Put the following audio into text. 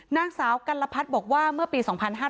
นางสาวกัลพัฒน์บอกว่าเมื่อปี๒๕๕๙